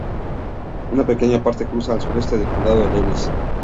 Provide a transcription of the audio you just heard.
Una pequeña parte cruza el sureste del Condado de Lewis.